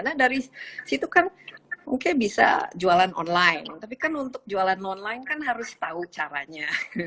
nah dari situ kan mungkin bisa jualan online tapi kan untuk jualan online kan harus tahu caranya